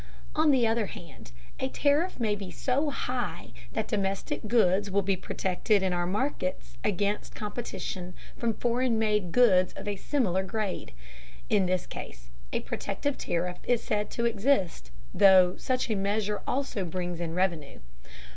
On the other hand, a tariff may be so high that domestic goods will be protected in our markets against competition from foreign made goods of a similar grade. In this case a protective tariff is said to exist, though such a measure also brings in revenue.